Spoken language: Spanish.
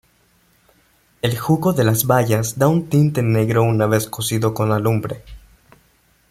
El jugo de las bayas da un tinte negro una vez cocido con alumbre.